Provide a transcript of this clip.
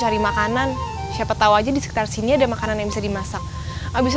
cari makanan siapa tahu aja di sekitar sini ada makanan yang bisa dimasak habisnya